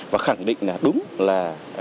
và khẳng định là đúng là